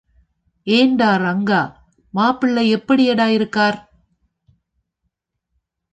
ஏண்டா ரங்கா, மாப்பிள்ளை எப்படிடா இருக்கார்?